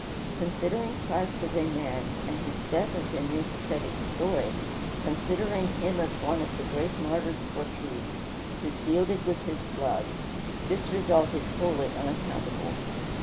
Considering Christ as a man, and his death as a mere pathetic story, considering him as one of the great martyrs for truth, who sealed it with his blood, this result is wholly unaccountable.